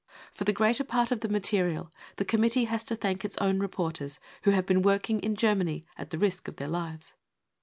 For the greater part of the material the Committee has to thank its own reporters, who have been working in Germany at the risk of their lives.